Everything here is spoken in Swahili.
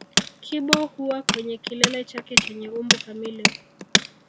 Kibo huwa kwenye kilele chake chenye umbo kamili